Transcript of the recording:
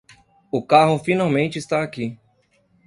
O carro finalmente está aqui.